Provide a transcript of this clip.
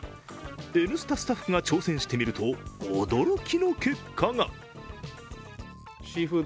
「Ｎスタ」スタッフが挑戦してみると驚きの結果が。